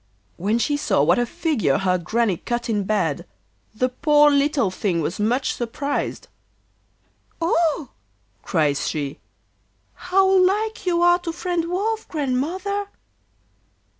When she saw what a figure her Granny cut in bed, the poor little thing was much surprised. 'Oh!' cries she, 'how like you are to friend Wolf, Grandmother!